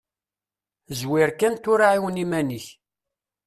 Zwir kan tura ɛiwen iman-ik.